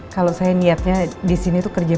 kalau saya niatnya di sini tuh kerja